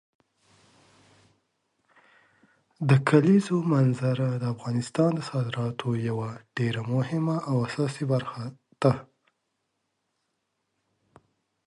د کلیزو منظره د افغانستان د صادراتو یوه ډېره مهمه او اساسي برخه ده.